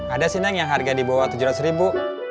ada sih neng yang harga di bawah tujuh ratus ribu